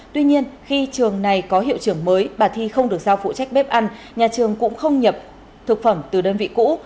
tuy nhiên khi trường này có hiệu trưởng mới bà thi không được giao phụ trách bếp ăn nhà trường cũng không nhập thực phẩm từ đơn vị cũ